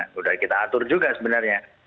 sudah kita atur juga sebenarnya